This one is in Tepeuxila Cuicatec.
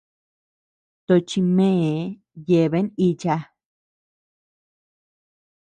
Tochi mee yeabean icha.